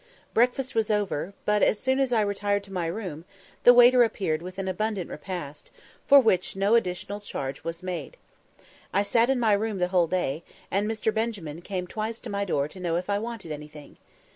Breakfast was over, but, as soon as I retired to my room, the waiter appeared with an abundant repast, for which no additional charge was made. I sat in my room the whole day, and Mr. Benjamin came twice to my door to know if I wanted anything.